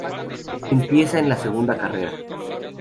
Empieza en la segunda carrera.